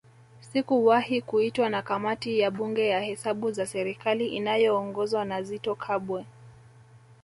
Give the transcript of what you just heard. Sikuwahi kuitwa na Kamati ya Bunge ya Hesabu za serikali inayoongozwa na Zitto Kabwe